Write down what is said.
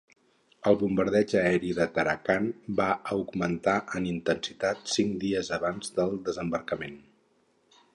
El bombardeig aeri de Tarakan va augmentar en intensitat cinc dies abans del desembarcament.